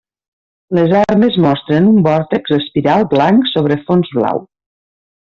Les armes mostren un vòrtex espiral blanc sobre fons blau.